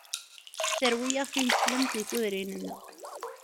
Terwi-aɣ tineslemt deg tudrin-nneɣ.